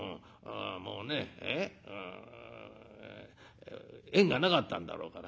もうね縁がなかったんだろうから。